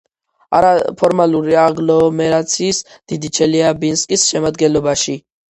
არაფორმალური აგლომერაციის „დიდი ჩელიაბინსკის“ შემადგენლობაში.